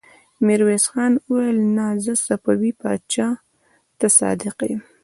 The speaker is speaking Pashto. ميرويس خان وويل: نه! زه صفوي پاچا ته صادق يم.